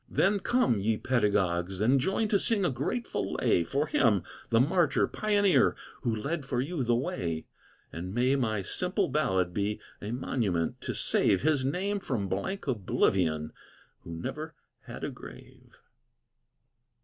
Then come, ye pedagogues, and join To sing a grateful lay For him, the martyr pioneer, Who led for you the way. And may my simple ballad be A monument to save His name from blank oblivion, Who never had a grave.